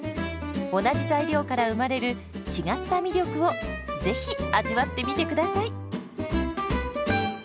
同じ材料から生まれる違った魅力をぜひ味わってみてください。